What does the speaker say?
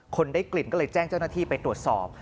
ได้กลิ่นก็เลยแจ้งเจ้าหน้าที่ไปตรวจสอบ